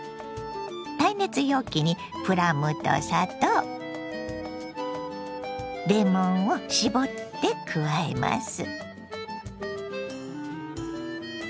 耐熱容器にプラムと砂糖レモンを搾って加えます。